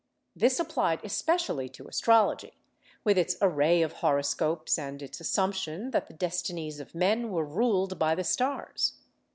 This applied especially to astrology, with its array of horoscopes and its assumption that the destinies of men were ruled by the stars.